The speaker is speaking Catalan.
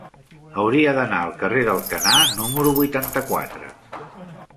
Hauria d'anar al carrer d'Alcanar número vuitanta-quatre.